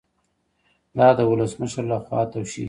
دا د ولسمشر لخوا توشیح کیږي.